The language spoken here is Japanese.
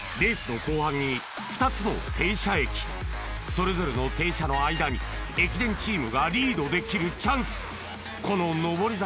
それぞれの停車の間に駅伝チームがリードできるチャンスこの上り坂